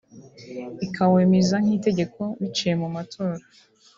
ikawemeza nk’itegeko biciye mu matora